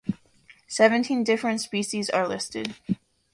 Seventeen different species are listed.